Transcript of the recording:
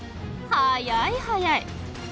速い速い！